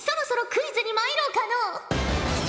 クイズにまいろうかのう。